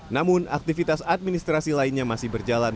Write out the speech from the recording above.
namun aktivitas administrasi lainnya masih berjalan